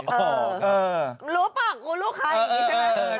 เออรู้ป่ะกูรู้ใคร